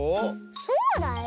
そうだよ。